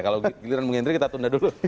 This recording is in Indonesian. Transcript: kalau giliran bung hendry kita tunda dulu